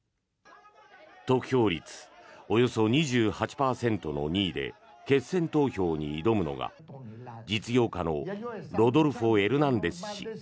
得票率およそ２８％の２位で決選投票に挑むのが実業家のロドルフォ・エルナンデス氏。